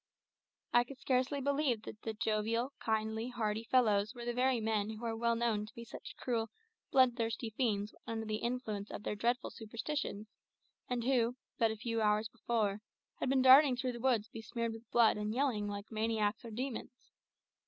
I could scarcely believe that the jovial, kindly, hearty fellows were the very men who are well known to be such cruel, bloodthirsty fiends when under the influence of their dreadful superstitions, and who, but a few hours before, had been darting through the woods besmeared with blood and yelling like maniacs or demons.